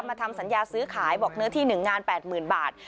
ทำสัญญาซื้อขายบอกเนื้อที่๑งาน๘๐๐๐บาท